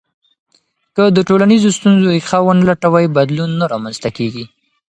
که د ټولنیزو ستونزو ریښه ونه لټوې، بدلون نه رامنځته کېږي.